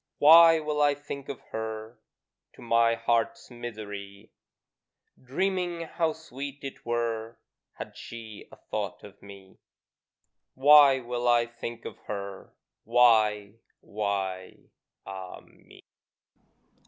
Why will I think of her To my heart's misery? Dreaming how sweet it were Had she a thought of me: Why will I think of her! Why, why, ah me!